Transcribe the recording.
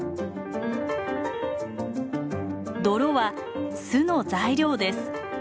泥は巣の材料です。